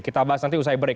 kita bahas nanti usai break